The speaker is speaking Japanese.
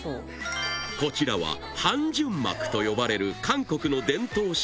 こちらはと呼ばれる韓国の伝統式